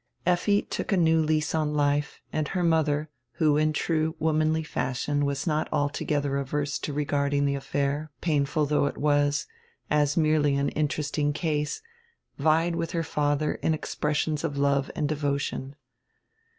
Effi took a new lease on life, and her mother, who in true womanly fashion was not altogether averse to regarding die affair, painful diough it was, as merely an interest ing case, vied widi her father in expressions of love and devotion.